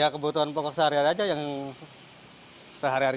ya kebutuhan pokok sehari hari aja yang sehari hari